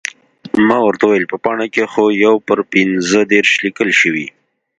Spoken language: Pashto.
ما ورته وویل، په پاڼه کې خو یو پر پنځه دېرش لیکل شوي.